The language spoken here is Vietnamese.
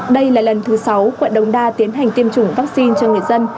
đây là lần thứ sáu quận đông đa tiến hành tiêm chủng vaccine cho người dân